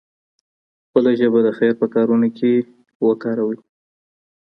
خپله ژبه د خير په کارونو کي کاروئ.